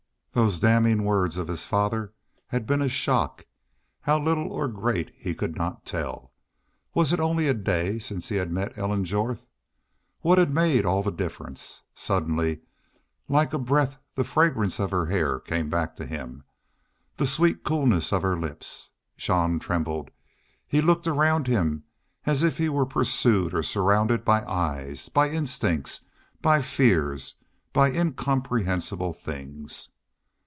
Those damning words of his father's had been a shock how little or great he could not tell. Was it only a day since he had met Ellen Jorth? What had made all the difference? Suddenly like a breath the fragrance of her hair came back to him. Then the sweet coolness of her lips! Jean trembled. He looked around him as if he were pursued or surrounded by eyes, by instincts, by fears, by incomprehensible things.